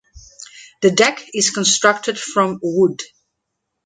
The deck is constructed from wood.